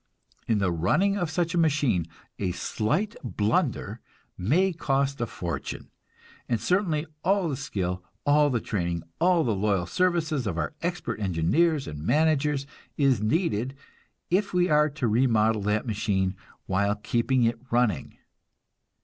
In the running of such a machine a slight blunder may cost a fortune; and certainly all the skill, all the training, all the loyal services of our expert engineers and managers is needed if we are to remodel that machine while keeping it running.